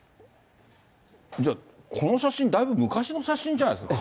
じゃあ、この写真だいぶ昔の写真じゃないですか。